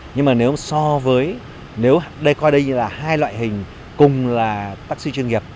nhưng mà nếu so với nếu đây coi đây như là hai loại hình cùng là bác sĩ chuyên nghiệp